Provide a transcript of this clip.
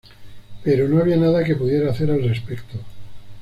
Pero no había nada que pudiera hacer al respecto".